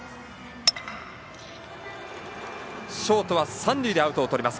ショートは三塁でアウトをとります。